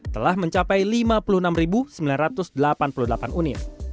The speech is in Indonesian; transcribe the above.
telah mencapai lima puluh enam sembilan ratus delapan puluh delapan unit